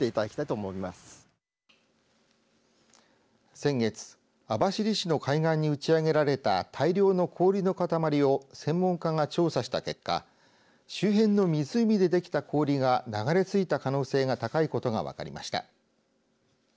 先月、網走市の海岸に打ち上げられた大量の氷の塊を専門家が調査した結果周辺の湖でできた氷が流れ着いた可能性が高いことが分かりました。